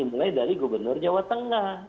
mulai dari gubernur jawa tengah